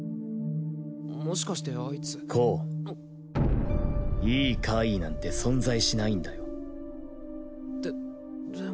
もしかしてあいつ光いい怪異なんて存在しないんだよで